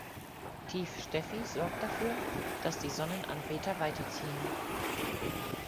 Tief Steffi sorgt dafür, dass die Sonnenanbeter weiterziehen.